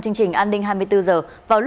chúng ngày chín mươi sáu iphone x đời mới